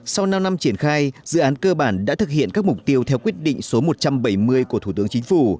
sau năm năm triển khai dự án cơ bản đã thực hiện các mục tiêu theo quyết định số một trăm bảy mươi của thủ tướng chính phủ